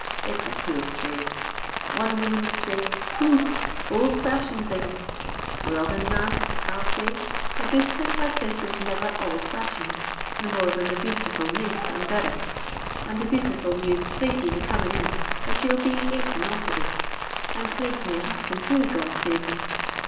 It's a poor therrade. One woman '11 say, ' Pooh I ould fashioned things.' ' Will, thin, ma'am,' I '11 say, ' a good thing like | this is niver ould fashioned, no more than the j bhutiful mate and berrid, and the bhutiful new I praties a coming in, that you '11 be atin off of it, and thratin' your husband to, Qod save him.